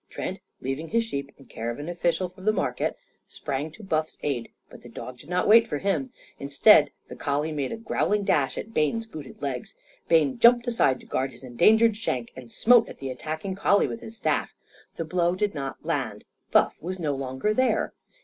Trent, leaving his sheep in care of an official of the market, sprang to Buff's aid. But the dog did not wait for him. Instead, the collie made a growling dash at Bayne's booted legs. Bayne jumped aside to guard his endangered shanks, and smote at the attacking collie with his staff. The blow did not land; Buff was no longer there.